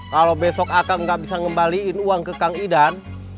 kalau besok akang gak bisa ngembalikan uang ke kang idan